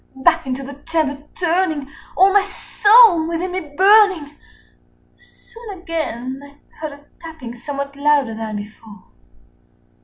30 Back into the chamber turning, all my soul within me burning, Soon again I heard a tapping somewhat louder than before.